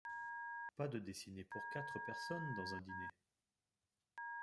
Pas de dessiner pour quatre personnes dans un dîner.